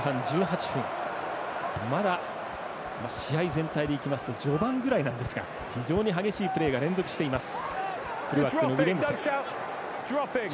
まだ試合全体でいきますと序盤ぐらいなんですが非常に激しいプレーが連続しています。